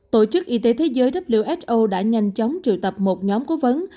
tổ chức y tế thế giới who đã nhanh chóng triệu tập một nhóm cố vấn